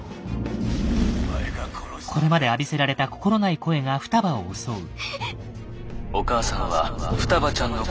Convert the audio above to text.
これまで浴びせられた心ない声が双葉を襲う。